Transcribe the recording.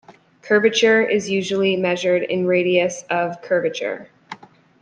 Curvature is usually measured in radius of curvature.